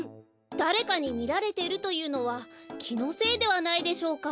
だれかにみられてるというのはきのせいではないでしょうか？